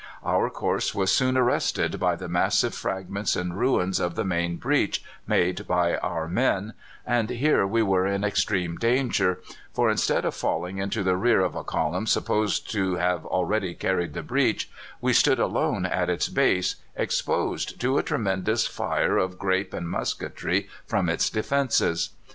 Our course was soon arrested by the massive fragments and ruins of the main breach made by our men, and here we were in extreme danger, for instead of falling into the rear of a column supposed to have already carried the breach, we stood alone at its base, exposed to a tremendous fire of grape and musketry from its defences.